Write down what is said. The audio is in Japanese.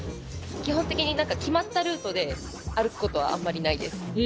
基本的に決まったルートで歩くことはあまりないです。